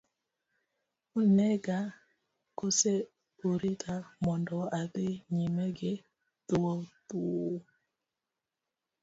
Unega kose urita mondo adhi nyime gi dhodhou.